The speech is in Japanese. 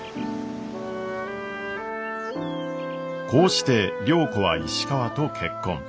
こうして良子は石川と結婚。